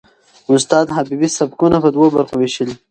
استاد حبیبي سبکونه په دوو برخو وېشلي دي.